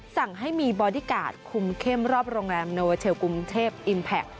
สั่งให้มีบอดี้การ์ดคุมเข้มรอบโรงแรมโนเวอร์เชลกรุงเทพอิมแพค